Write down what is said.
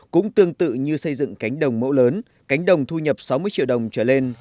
cũng tương tự như xây dựng cánh đồng mẫu lớn cánh đồng thu nhập sáu mươi triệu đồng trở lên